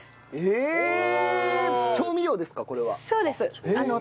調味料ですか？